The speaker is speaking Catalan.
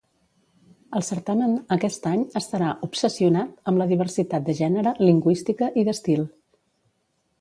El certamen aquest any estarà "obsessionat" amb la diversitat de gènere, lingüística i d'estil.